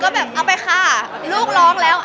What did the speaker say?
ก็แบบเอาไปค่ะลูกร้องแล้ว